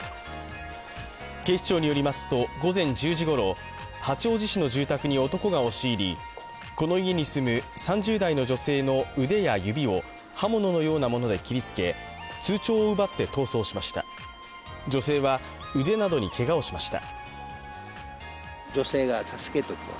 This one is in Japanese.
警視庁によりますと、午前１０時ごろ八王子市の住宅に男が押し入りこの家に住む３０代の女性の腕や指を刃物のようなもので切りつけ、通帳を奪って逃走しました女性は腕などにけがをしました。